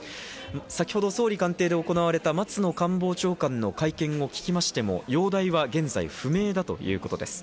先ほど総理官邸で行われた松野官房長官の会見を聞きましても容体は現在不明だということです。